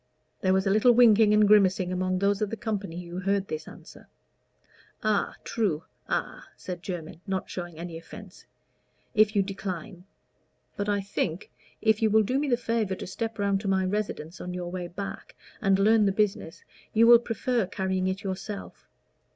There was a little winking and grimacing among those of the company who heard this answer. "A true a," said Jermyn, not showing any offence; "if you decline. But I think, if you will do me the favor to step round to my residence on your way back, and learn the business, you will prefer carrying it yourself.